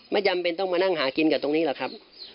จำเป็นต้องมานั่งหากินกับตรงนี้หรอกครับ